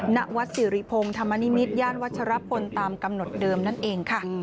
ณวัดสิริพงศ์ธรรมนิมิตรย่านวัชรพลตามกำหนดเดิมนั่นเองค่ะ